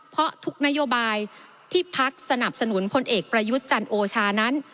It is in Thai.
เพราะทุกนโยบายที่พักสนับสนุนพลเอกประยุทธ์จันโอชานั้น